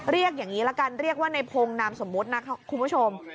เรียกอย่างนี้ละกันเรียกว่าในพงศ์นามสมมุตินะครับคุณผู้ชม